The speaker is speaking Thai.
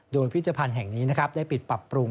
โดยพิธภัณฑ์แห่งนี้นะครับได้ปิดปรับปรุง